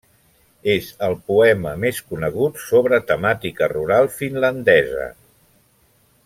És el poema més conegut sobre temàtica rural finlandesa.